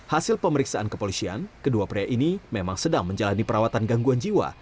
hasil pemeriksaan kepolisian kedua pria ini memang sedang menjalani perawatan gangguan jiwa